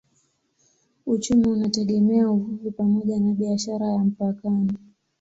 Uchumi unategemea uvuvi pamoja na biashara ya mpakani.